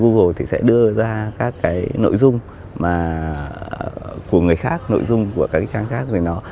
google thì sẽ đưa ra các cái nội dung của người khác nội dung của các cái trang khác